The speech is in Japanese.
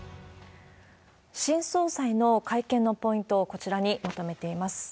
新総裁の会見のポイント、こちらにまとめています。